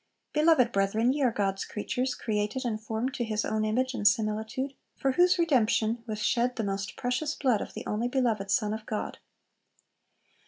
Beloved brethren, ye are God's creatures, created and formed to His own image and similitude, for whose redemption was shed the most precious blood of the only beloved Son of God....